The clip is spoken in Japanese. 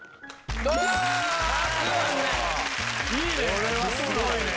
これはすごいね！